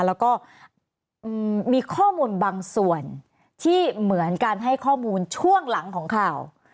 แล้วก็มีข้อมูลบางส่วนที่เหมือนการให้ข้อมูลช่วงหลังของข่าว